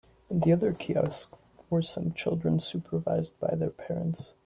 In the other kiosk were some children supervised by their parents.